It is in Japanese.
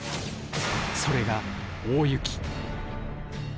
それが大雪。